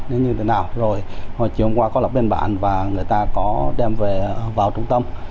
chiều hôm qua có lập biên bản và người ta có đem về vào trung tâm